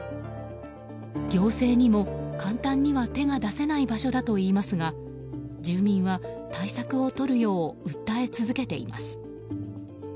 行政にも簡単には手が出せない場所だといいますが住民は対策をとるよう訴え続けています。